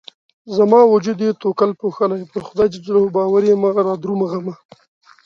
زما وجود يې توکل پوښلی پر خدای ج باور يمه رادرومه غمه